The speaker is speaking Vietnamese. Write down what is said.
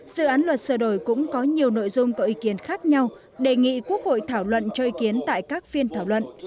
dự án luật sửa đổi cũng có nhiều nội dung có ý kiến khác nhau đề nghị quốc hội thảo luận cho ý kiến tại các phiên thảo luận